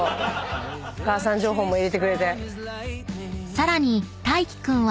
［さらに大樹君は］